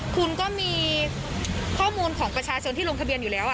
คุณก็มีข้อมูลของประชาชนที่ลงทะเบียนอยู่แล้ว